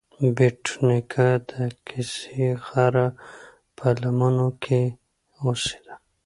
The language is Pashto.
بېټ نیکه د کسي غره په لمنو کې اوسیده.